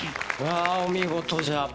ああお見事じゃ。